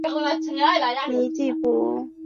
波蒂尼。